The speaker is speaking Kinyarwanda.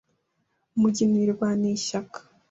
Mugina uyirwaniye ishyaka